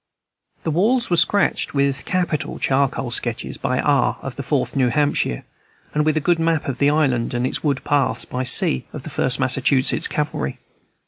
The walls were scrawled with capital charcoal sketches by R. of the Fourth New Hampshire, and with a good map of the island and its wood paths by C. of the First Massachusetts Cavalry.